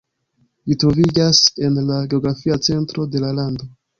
Ĝi troviĝas en la geografia centro de la lando.